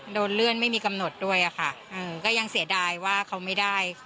โดนเลื่อนไม่มีกำหนดด้วยอะค่ะก็ยังเสียดายว่าเขาไม่ได้